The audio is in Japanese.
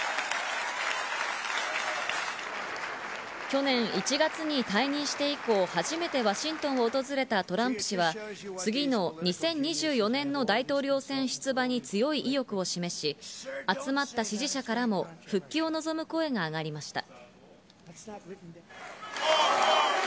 去年１月に退任して以降、初めてワシントンを訪れたトランプ氏は、次の２０２４年の大統領選出馬に強い意欲を示し、集まった支持者からも復帰を望む声が上がりました。